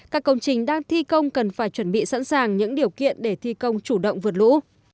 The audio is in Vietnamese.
các công trình đang thi công cần phải chuẩn bị sẵn sàng những điều kiện để thi công chủ động vượt lũ